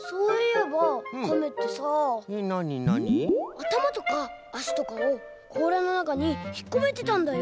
あたまとかあしとかをこうらのなかにひっこめてたんだよ。